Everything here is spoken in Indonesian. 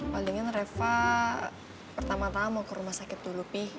palingin reva pertama tama mau ke rumah sakit dulu pih